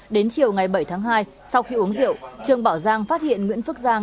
đến chiều ngày bảy tháng hai sau khi uống rượu trương bảo giang phát hiện nguyễn phước giang